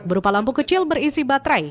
berupa lampu kecil berisi baterai